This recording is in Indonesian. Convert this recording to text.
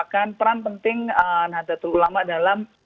tidak melupakan peran penting nadatul ulama dalam